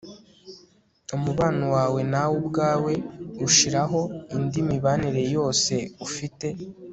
umubano wawe nawe ubwawe ushiraho indi mibanire yose ufite